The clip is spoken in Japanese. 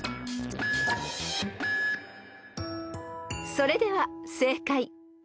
［それでは正解］